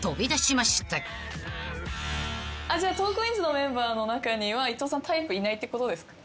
トークィーンズのメンバーの中には伊藤さんタイプいないってことですか？